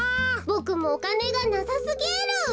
ボクもおかねがなさすぎる！